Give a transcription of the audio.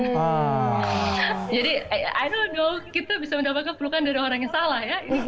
jadi i don't know kita bisa mendapatkan pelukan dari orang yang salah ya